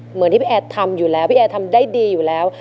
เหมือนที่พี่แอร์ทำอยู่แล้วพี่แอร์ทำได้ดีอยู่แล้ว